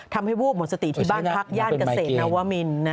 วูบหมดสติที่บ้านพักย่านเกษตรนวมิน